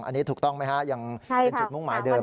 อันนี้ถูกต้องไหมฮะยังเป็นจุดมุ่งหมายเดิม